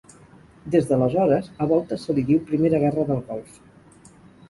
Des d'aleshores, a voltes se li diu primera guerra del Golf.